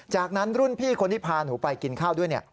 จากนั้นรุ่นพี่คนที่พาหนูไปกินข้าวด้วย